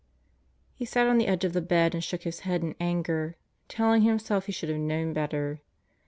He sat on the edge of the bed and shook his head in anger telling himself he should have known better.